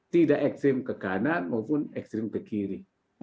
tidak ekstrim ke kanan maupun ekstrim ke kiri